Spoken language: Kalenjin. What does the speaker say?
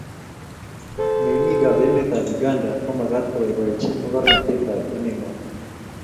mengik ab emetab uganda komakat koboibochi mokornotet ab emengwai